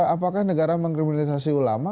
apakah negara mengkriminalisasi ulama